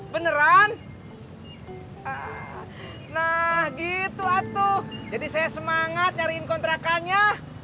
beneran nah gitu atuh jadi saya semangat nyariin kontrakannya